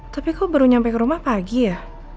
tapi kok baru nyampe ke rumah pagi ya